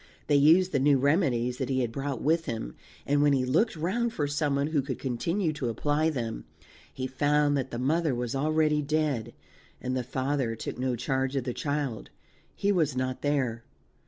They used the new remedies that he had brought with him, and when he looked round for someone who could continue to apply them, he found that the mother was already dead, and the father took no charge of the child he was not there.